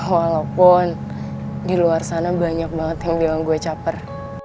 walaupun di luar sana banyak banget yang bilang gue caper